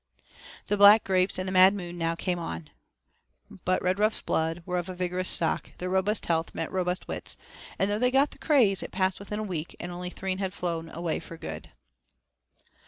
The black grapes and the Mad Moon now came on. But Redruff's brood were of a vigorous stock; their robust health meant robust wits, and though they got the craze, it passed within a week, and only three had flown away for good.